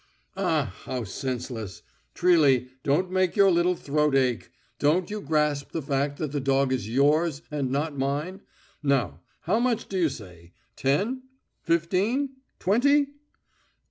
"Ah, how senseless! Trilly, you'll make your little throat ache.... Don't you grasp the fact that the dog is yours and not mine.... Now, how much do you say? Ten? Fifteen? Twenty?"